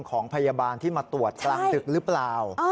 ของพยาบาลที่มาตรวจกลางดึกหรือเปล่า